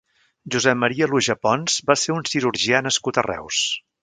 Josep Maria Aluja Pons va ser un cirurgià nascut a Reus.